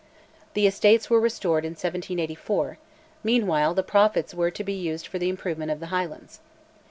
The estates were restored in 1784; meanwhile the profits were to be used for the improvement of the Highlands.